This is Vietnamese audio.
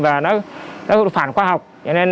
và nó phản khoa học